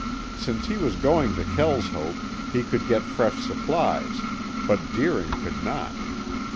Since he was going to Kelshope, he could get fresh supplies, but Deering could not.